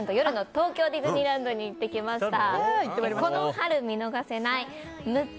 東京ディズニーランドにやってきました！